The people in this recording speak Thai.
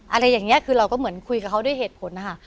อะไรอย่างนี้คือเราก็เหมือนคุยกับเขาด้วยเหตุผลนะคะ